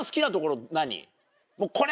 これ！